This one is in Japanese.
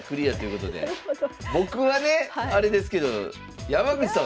僕はねあれですけど山口さん